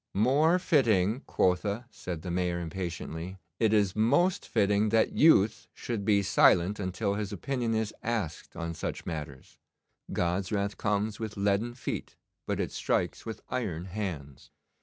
'More fitting, quotha!' said the Mayor impatiently. 'It is most fitting that youth should be silent until his opinion is asked on such matters. God's wrath comes with leaden feet, but it strikes with iron hands.